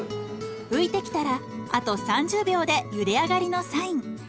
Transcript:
浮いてきたらあと３０秒でゆで上がりのサイン。